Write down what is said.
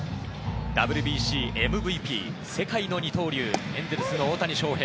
ＷＢＣ・ＭＶＰ、世界の二刀流、エンゼルスの大谷翔平。